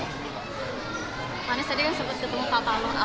pak nis tadi yang sempat ketemu pak kalo